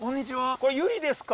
これユリですか？